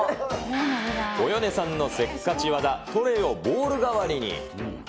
およねさんのせっかち技、トレーをボウル代わりに。